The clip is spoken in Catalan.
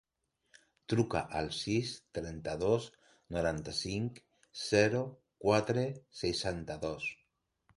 Truca al sis, trenta-dos, noranta-cinc, zero, quatre, seixanta-dos.